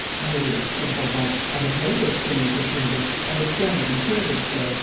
"Nay," said Bourbon, "I have no wish to leave the kingdom; I have friends and servants there."